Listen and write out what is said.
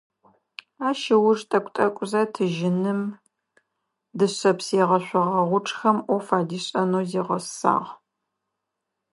Ащ ыуж тӀэкӀу-тӀэкӀузэ тыжьыным, дышъэпс егъэшъогъэ гъучӀхэм Ӏоф адишӀэнэу зигъэсагъ.